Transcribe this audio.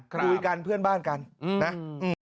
คุยกันเพื่อนบ้านกันนะ